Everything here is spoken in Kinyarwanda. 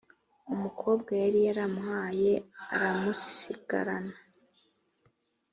umukobwa yari yaramuhaye aramusigarana.